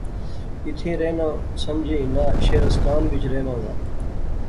ایتھیں رہنا سمجھی ہنا شعرستان وچ رہنا دا